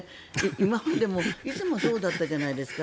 今までも、いつもそうだったじゃないですか。